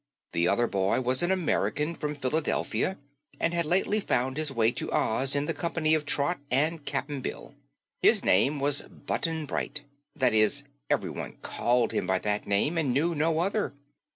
The other boy was an American from Philadelphia and had lately found his way to Oz in the company of Trot and Cap'n Bill. His name was Button Bright; that is, everyone called him by that name and knew no other.